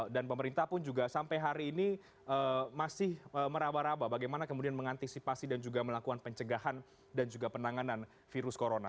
dan pemerintah pun juga sampai hari ini masih meraba raba bagaimana kemudian mengantisipasi dan juga melakukan pencegahan dan juga penanganan virus corona